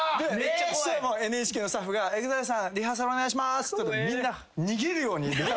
ＮＨＫのスタッフが「ＥＸＩＬＥさんリハーサルお願いします」ってみんな逃げるようにリハーサルに。